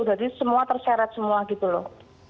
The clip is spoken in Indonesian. jadi semua terserat semua gitu loh